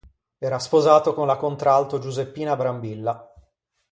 Era sposato con la contralto Giuseppina Brambilla.